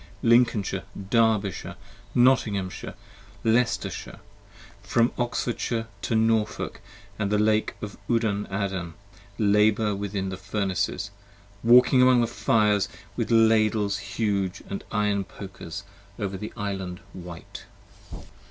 Lincolnshire, Derbyshire, Nottinghamshire, Leicestershire, From Oxfordshire to Norfolk on the Lake of Udan Adan 20 Labour within the Furnaces, walking among the Fires, With Ladles huge & iron Pokers over the Island white.